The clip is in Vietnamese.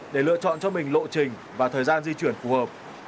để lựa chọn cho mình lộ trình và thời gian di chuyển phù hợp